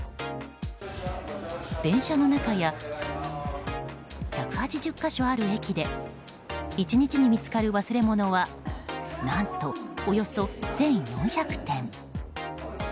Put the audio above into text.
電車の中や、１８０か所ある駅で１日に見つかる忘れ物は何とおよそ１４００点。